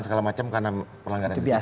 segala macam karena pelanggaran etik